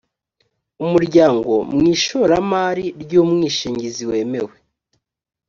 umuryango mu ishoramari ry’umwishingizi wemewe